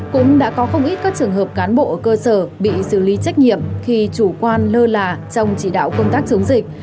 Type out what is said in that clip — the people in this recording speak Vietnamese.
cũng đã có không ít các trường hợp cán bộ ở cơ sở bị xử lý trách nhiệm khi chủ quan lơ là trong chỉ đạo công tác chống dịch